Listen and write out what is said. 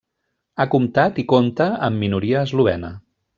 Ha comptat i compta amb minoria eslovena.